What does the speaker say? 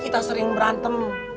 kita sering berantem